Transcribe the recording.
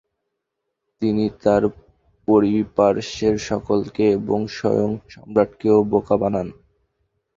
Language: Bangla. তিনি তার পরিপার্শ্বের সকলকে এবং স্বয়ং সম্রাটকেও বোকা বানান।